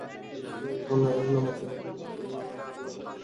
এটা এখন যেন নৈমিত্তিক ব্যাপার, রেফারিং নিয়ে প্রতিদিনই আপত্তি তোলে রহমতগঞ্জ।